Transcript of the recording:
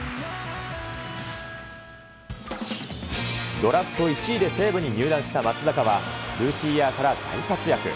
ドラフト１位で西武に入団した松坂は、ルーキーイヤーから大活躍。